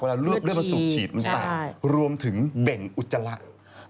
เวลาเลือกเลือกสูบฉีดมันจะแตกรวมถึงเบ่งอุจจาระใช่